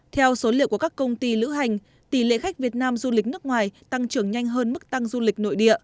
theo số liệu của các công ty lữ hành tỷ lệ khách việt nam du lịch nước ngoài tăng trưởng nhanh hơn mức tăng du lịch nội địa